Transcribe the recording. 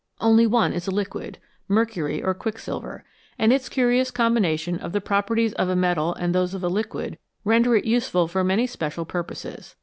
Only one is a liquid mercury or quicksilver and its curious combination of the properties of a metal and those of a liquid render it useful for many special purposes.